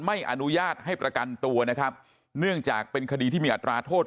ไม่อนุญาตให้ประกันตัวนะครับเนื่องจากเป็นคดีที่มีอัตราโทษ